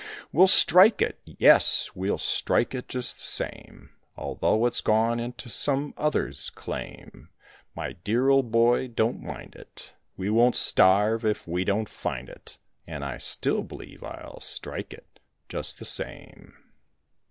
"We'll strike it, yes, we'll strike it just the same, Although it's gone into some other's claim. My dear old boy, don't mind it, we won't starve if we don't find it, And I still believe I'll strike it just the same."